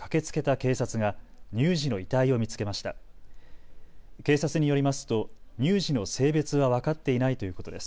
警察によりますと乳児の性別は分かっていないということです。